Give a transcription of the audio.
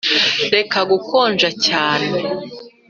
reka gukonja cyane.